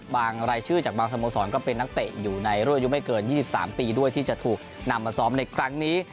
รายชื่อจากบางสโมสรก็เป็นนักเตะอยู่ในรุ่นอายุไม่เกิน๒๓ปีด้วยที่จะถูกนำมาซ้อมในครั้งนี้